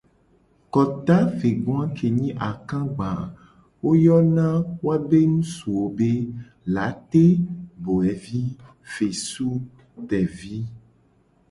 Kota ve go a ke nyi akagba a wo yona woabe ngusuwo be : late, boevi, fesu, tevi.